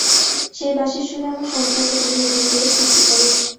সেই বাঁশির সুরে আমার সংসারকে তুমি নতুন করে সৃষ্টি করো।